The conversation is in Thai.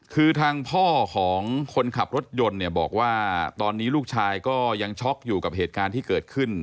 คือทางพ่อของคนขับรถยนต์เนี่ยบอกว่าตอนนี้ลูกชายก็ยังช็อกอยู่กับเหตุการณ์ที่เกิดขึ้น